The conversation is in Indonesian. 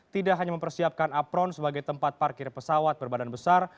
tidak hanya mempersiapkan apron sebagai tempat parkir pesawat berbadan besar